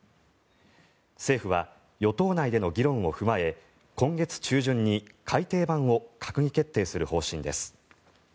政府は与党内での議論を踏まえ今月中旬に改定版を閣議決定する方針です。